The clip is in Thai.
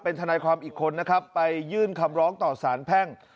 ทนายความอีกคนนะครับไปยื่นคำร้องต่อสารแพ่ง